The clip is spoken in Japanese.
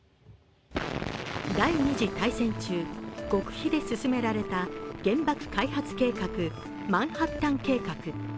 第二次大戦中、極秘で進められた原爆開発計画・マンハッタン計画。